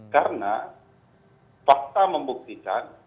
karena fakta membuktikan